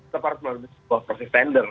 separat menurut saya